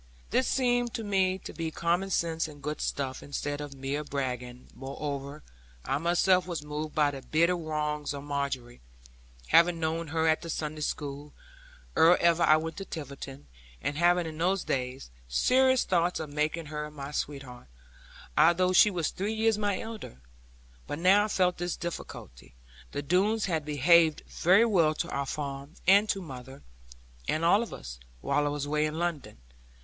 This seemed to me to be common sense, and good stuff, instead of mere bragging; moreover, I myself was moved by the bitter wrongs of Margery, having known her at the Sunday school, ere ever I went to Tiverton; and having in those days, serious thoughts of making her my sweetheart; although she was three years my elder. But now I felt this difficulty the Doones had behaved very well to our farm, and to mother, and all of us, while I was away in London.